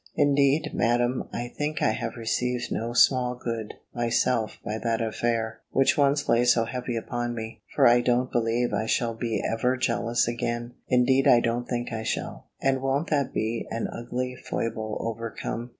Indeed, Madam, I think I have received no small good myself by that affair, which once lay so heavy upon me: for I don't believe I shall be ever jealous again; indeed I don't think I shall. And won't that be an ugly foible overcome?